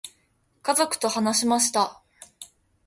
家族と話しました。